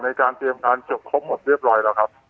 ในการเตรียมการจบครบหมดเรียบร้อยแล้วครับ